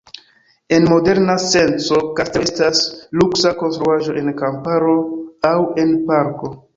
En moderna senco kastelo estas luksa konstruaĵo en kamparo aŭ en parko.